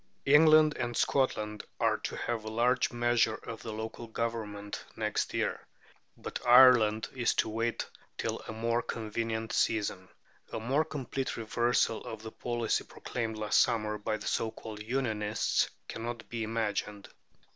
England and Scotland are to have a large measure of local government next year; but Ireland is to wait till a more convenient season. A more complete reversal of the policy proclaimed last summer by the so called Unionists cannot be imagined.